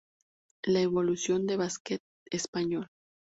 La Evolución del Basquet Español.